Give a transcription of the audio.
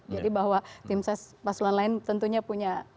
jadi bahwa tim ses pasulan lain tentunya punya